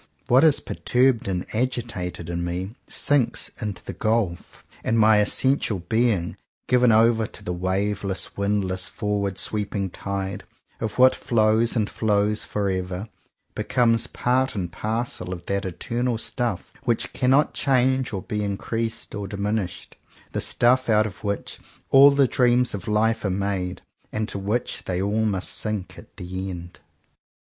What is perturbed and agitated in me sinks into the gulf; and my essential being, given over to the waveless, windless, forward sweeping tide of what flows and flows forever, becomes part and parcel of that eternal stuffs which cannot change or be increased or diminished, — the stuff out of which all the dreams of life are made, and into which they all must sink at the end.